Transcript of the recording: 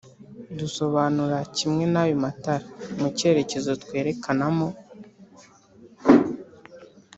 dusobanura kimwe n’ayo matara mucyerekezo twerekanamo